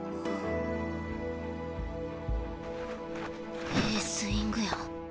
心の声ええスイングや。